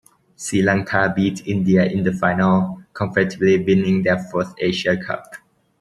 Sri Lanka beat India in the final comfortably winning their fourth Asia Cup.